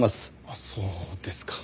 あっそうですか。